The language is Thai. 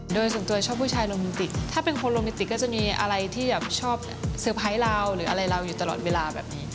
โดยส่วนตัวชอบผู้ชายโรแมนติกถ้าเป็นคนโรแมนติกก็จะมีอะไรที่แบบชอบเซอร์ไพรส์เราหรืออะไรเราอยู่ตลอดเวลาแบบนี้